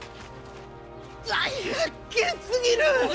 大発見すぎる！